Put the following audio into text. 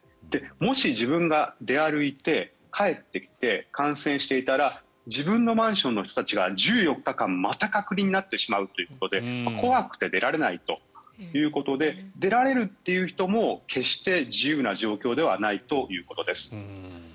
もし自分が出歩いて、帰ってきて感染していたら自分のマンションの人たちが１４日間、また隔離になってしまうということで怖くて出られないということで出られるという人も決して自由な状況ではないということです。